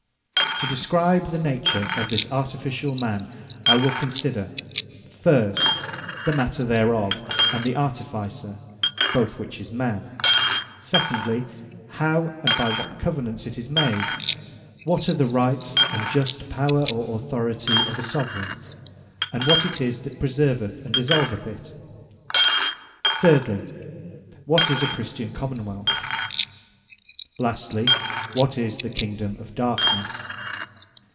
To describe the Nature of this Artificiall man, I will consider First the Matter thereof, and the Artificer; both which is Man. Secondly, How, and by what Covenants it is made; what are the Rights and just Power or Authority of a Soveraigne; and what it is that Preserveth and Dissolveth it. Thirdly, what is a Christian Common Wealth. Lastly, what is the Kingdome of Darkness.